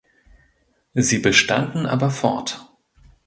Sie bestanden aber fort.